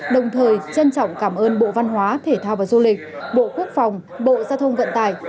đồng thời trân trọng cảm ơn bộ văn hóa thể thao và du lịch bộ quốc phòng bộ giao thông vận tải